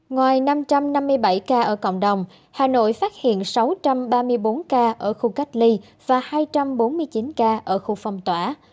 ngoài năm trăm năm mươi bảy ca ở cộng đồng hà nội phát hiện sáu trăm ba mươi bốn ca ở khu cách ly và hai trăm bốn mươi chín ca ở khu phong tỏa